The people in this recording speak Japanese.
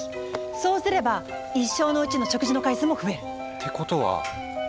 そうすれば一生のうちの食事の回数も増える。ってことは採用ですね？